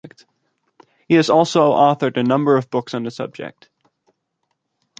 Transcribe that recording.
He has also authored a number of books on the subject.